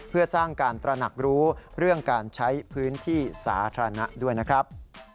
เพื่อสร้างการตระหนักรู้เรื่องการใช้พื้นที่สาธารณะด้วยนะครับ